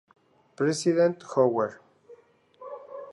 President Hoover".